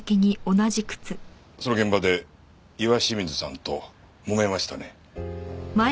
その現場で岩清水さんともめましたね？